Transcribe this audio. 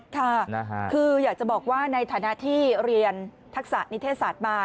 ค่ะคืออยากจะบอกว่าในฐานะที่เรียนทักษะนิเทศศาสตร์มา